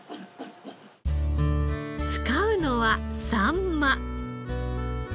使うのはサンマ。